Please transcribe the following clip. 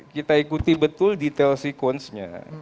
kita ikuti betul detail sekuensnya